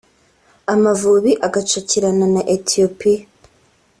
Amavubi agacakirana na Ethiopia